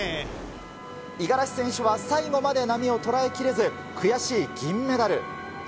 五十嵐選手は最後まで波を捉えきれず、悔しい銀メダル。